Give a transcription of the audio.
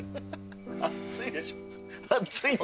熱いでしょ。